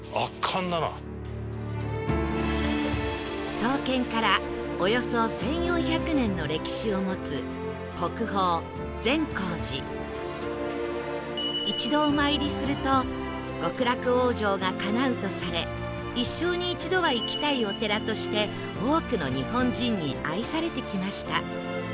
創建からおよそ１４００年の歴史を持つ国宝善光寺一度お参りすると極楽往生がかなうとされ一緒に一度は行きたいお寺として多くの日本人に愛されてきました